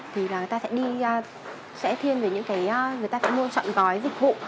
thì người ta sẽ mua trọn gói dịch vụ